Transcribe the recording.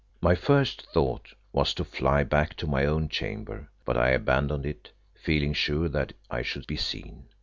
My first thought was to fly back to my own chamber, but I abandoned it, feeling sure that I should be seen.